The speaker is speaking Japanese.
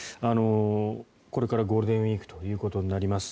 これからゴールデンウィークということになります。